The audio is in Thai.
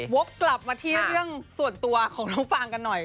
วกกลับมาที่เรื่องส่วนตัวของน้องฟางกันหน่อย